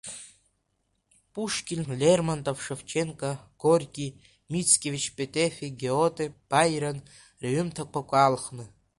Пушкин, Лермонтов, Шевченко, Горки, Мицкевич, Петефи, Гиоте, Баирон рҩымҭақәак алхны.